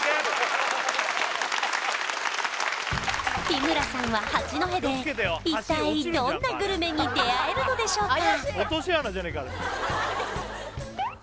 日村さんは八戸で一体どんなグルメに出会えるのでしょうか？